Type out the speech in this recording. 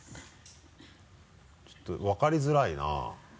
ちょっと分かりづらいな。